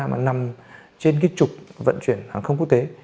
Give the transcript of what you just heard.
mà nằm trên cái trục vận chuyển hàng không quốc tế